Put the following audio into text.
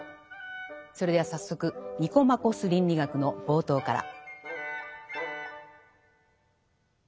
それでは早速「ニコマコス倫理学」の冒頭から。